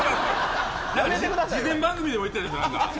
事前番組でも言ってましたよ。